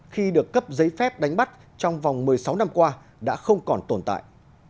khi được cấp giấy phép đánh bắt trong vòng một mươi sáu năm qua đã không còn tồn tại